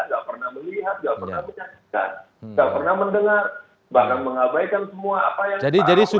tidak pernah melihat tidak pernah mencantikkan tidak pernah mendengar bahkan mengabaikan semua apa yang diperhatikan